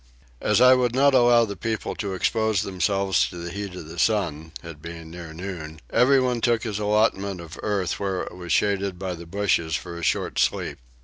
As I would not allow the people to expose themselves to the heat of the sun, it being near noon, everyone took his allotment of earth where it was shaded by the bushes for a short sleep.